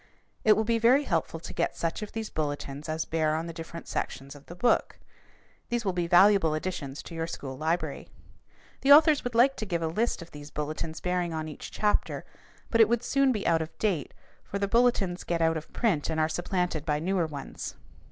It will be very helpful to get such of these bulletins as bear on the different sections of the book. These will be valuable additions to your school library. The authors would like to give a list of these bulletins bearing on each chapter, but it would soon be out of date, for the bulletins get out of print and are supplanted by newer ones.